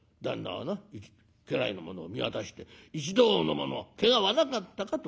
はな家来の者を見渡して『一同の者けがはなかったか』とおっしゃった。